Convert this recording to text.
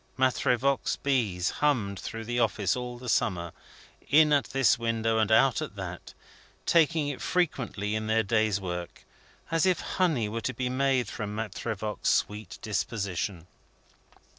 Maitre Voigt's bees hummed through the office all the summer, in at this window and out at that, taking it frequently in their day's work, as if honey were to be made from Maitre Voigt's sweet disposition.